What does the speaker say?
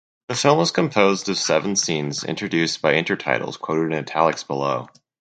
The film is composed of seven scenes introduced by intertitles (quoted in italics below).